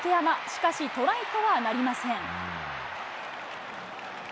しかし、トライとはなりません。